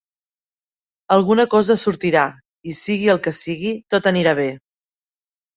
Alguna cosa sortirà, i sigui el que sigui, tot anirà bé.